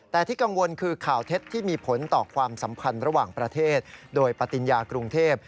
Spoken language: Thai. แต่ที่กังวลคือข่าวเท็จที่มีผลต่อความสัมพันธ์ระหว่างประเทศโดยปฏิญญากรุงเทพ